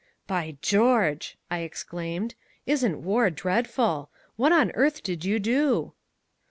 "By George," I exclaimed. "Isn't war dreadful? What on earth did you do?"